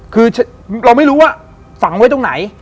คือเราไม่รู้ว่าฝังไว้ตรงไหน